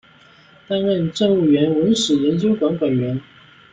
担任政务院文史研究馆馆员。